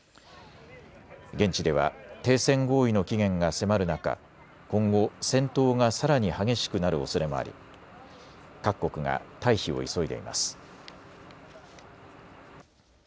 現地では停戦合意の期限が迫る中、今後、戦闘がさらに激しくなるおそれもあり各国が退避を急いでいます。